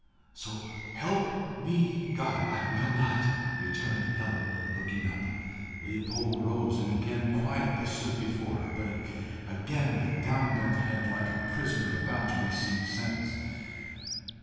"So help me God, I will not!" returned Helen, looking up. Leopold rose, and again stood quietly before her, but again with downbent head, like a prisoner about to receive sentence.